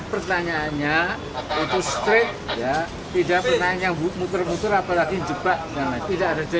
kemudian ditantang kalau mau bawa nasi jamrang juga masih ada